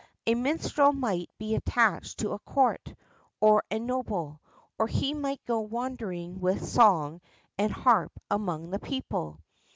A minstrel might be attached to a Court, or a noble; or he might go wandering with song and harp among the people.